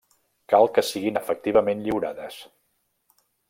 Cal que siguin efectivament lliurades.